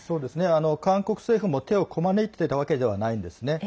韓国政府も手をこまねいていたわけではないんですね。